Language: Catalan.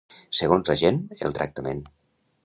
Segons la gent, el tractament.